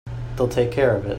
They'll take care of it.